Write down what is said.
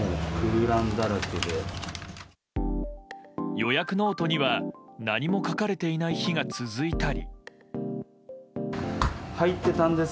予約ノートには何も書かれていない日が続いたり。